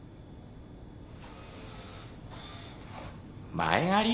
前借り？